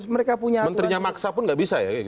menterinya maksa pun nggak bisa ya